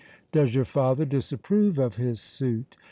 "Does your father disapprove of his suit?"